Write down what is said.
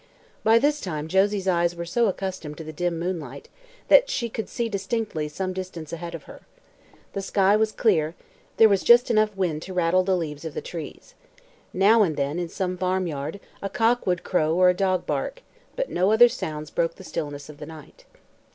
By this time Josie's eyes were so accustomed to the dim moonlight that she could see distinctly some distance ahead of her. The sky was clear; there was just enough wind to rustle the leaves of the trees. Now and then in some farmyard a cock would crow or a dog bark, but no other sounds broke the stillness of the night.